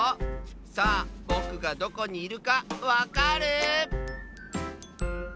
さあぼくがどこにいるかわかる？